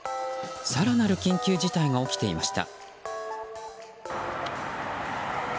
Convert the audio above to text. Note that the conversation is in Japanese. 更なる緊急事態が起きていました。